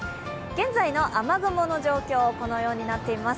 現在の雨雲の状況、このようになっています。